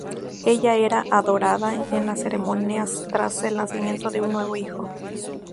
Ella era adorada en las ceremonias tras el nacimiento de un nuevo hijo.